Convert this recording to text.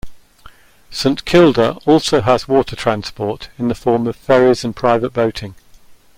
Saint Kilda also has water transport in the form of ferries and private boating.